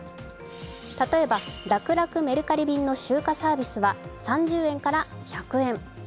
例えば、らくらくメルカリ便の集荷サービスは３０円から１００円。